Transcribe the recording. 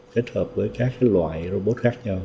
kết hợp với các loại robot khác nhau